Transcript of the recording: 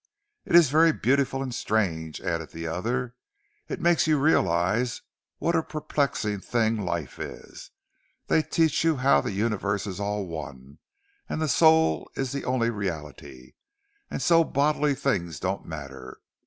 "It is very beautiful and strange," added the other. "It makes you realize what a perplexing thing life is. They teach you how the universe is all one, and the soul is the only reality, and so bodily things don't matter.